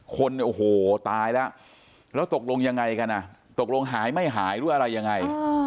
คนโอ้โหตายแล้วแล้วตกลงยังไงกันอ่ะตกลงหายไม่หายหรืออะไรยังไง